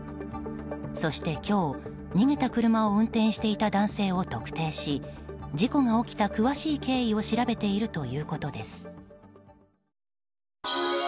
そして今日、逃げた車を運転していた男性を特定し事故が起きた詳しい経緯を調べているということです。